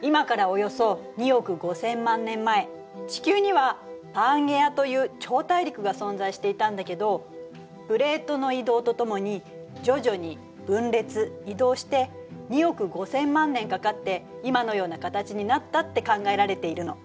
今からおよそ２億５，０００万年前地球には「パンゲア」という超大陸が存在していたんだけどプレートの移動とともに徐々に分裂・移動して２億５，０００万年かかって今のような形になったって考えられているの。